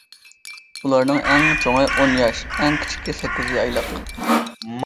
ئۇلارنىڭ ئەڭ چوڭى ئون ياش، ئەڭ كېچىكى سەككىز ئايلىق.